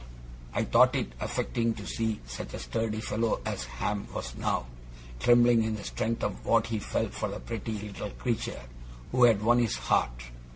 I thought it affecting to see such a sturdy fellow as Ham was now, trembling in the strength of what he felt for the pretty little creature who had won his heart.